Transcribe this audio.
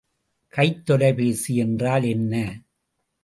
கைத்தொலைபேசி என்றால் என்ன?